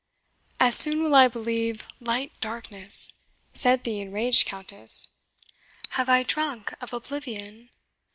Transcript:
"As soon will I believe light darkness," said the enraged Countess. "Have I drunk of oblivion?